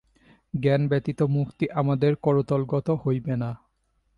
জ্ঞান ব্যতীত মুক্তি আমাদের করতলগত হইবে না।